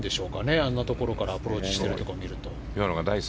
あんなところからアプローチしているところを見ると。